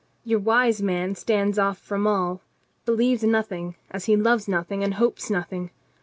Your wise man stands off from all, believes nothing, as he loves nothing and hopes nothing.